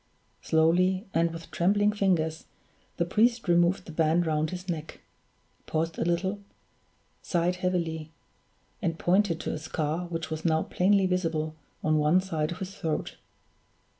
Slowly and with trembling fingers the priest removed the band round his neck paused a little sighed heavily and pointed to a scar which was now plainly visible on one side of his throat.